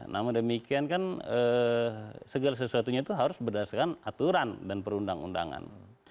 namun demikian kan segala sesuatunya itu harus berdasarkan aturan dan perundang undangan